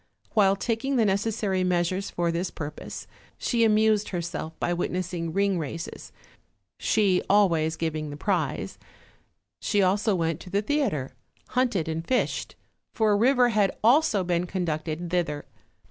While taking the necessary measures for this purpose, she amused herself by witness ing ring races, she always giving the prize; she also went to the theater, hunted and fished; for a river had also been conducted thither.